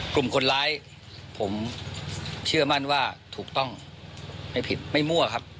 กลุ่มคนร้ายผมเชื่อมั่นว่าถูกต้องไม่ผิดไม่มั่วครับ